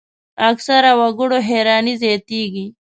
اکثرو وګړو حیراني زیاتېږي.